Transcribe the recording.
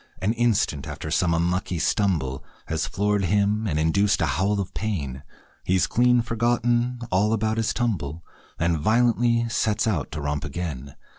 An instant after some unlucky stumble Has floored him and induced a howl of pain, He's clean forgotten all about his tumble And violently sets out to romp again.